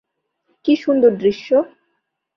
কী সুন্দর দৃশ্য।